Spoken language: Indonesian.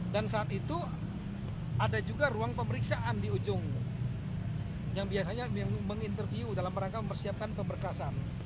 dan saat itu ada juga ruang pemeriksaan di ujung yang biasanya menginterview dalam rangka persiapan pemberkasan